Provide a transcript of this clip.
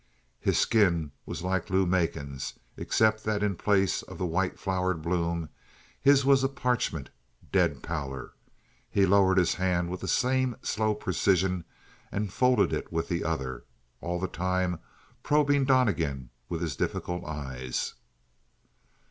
His skin was like Lou Macon's, except that in place of the white flower bloom his was a parchment, dead pallor. He lowered his hand with the same slow precision and folded it with the other, all the time probing Donnegan with his difficult eyes.